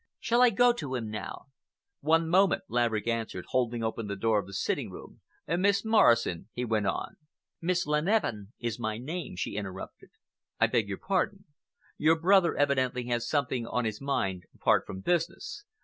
Shall I go to him now?" "One moment," Laverick answered, holding open the door of the sitting room. "Miss Morrison," he went on,— "Miss Leneveu is my name," she interrupted. "I beg your pardon. Your brother evidently has something on his mind apart from business.